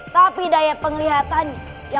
tapi daya penglihatannya